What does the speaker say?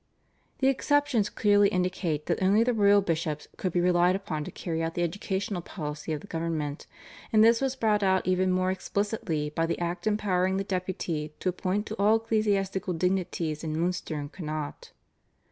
The exceptions clearly indicate that only the royal bishops could be relied upon to carry out the educational policy of the government, and this was brought out even more explicitly by the act empowering the Deputy to appoint to all ecclesiastical dignities in Munster and Connaught.